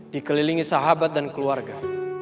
dikelilingi sahabat dan keluarga